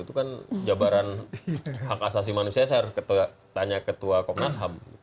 itu kan jabaran hak asasi manusia saya harus tanya ketua komnas ham